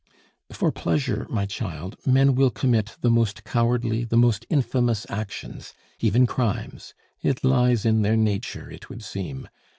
"For pleasure, my child, men will commit the most cowardly, the most infamous actions even crimes; it lies in their nature, it would seem.